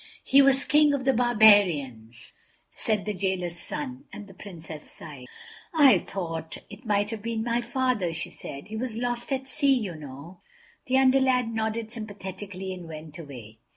"He was King of the Barbarians," said the Jailer's son—and the Princess sighed. "I thought it might have been my father," she said, "he was lost at sea, you know." The Under lad nodded sympathetically and went away.